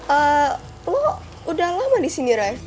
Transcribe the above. eh lo udah lama disini ray